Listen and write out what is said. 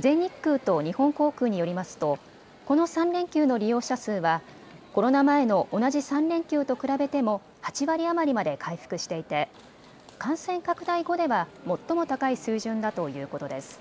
全日空と日本航空によりますとこの３連休の利用者数はコロナ前の同じ３連休と比べても８割余りまで回復していて感染拡大後では最も高い水準だということです。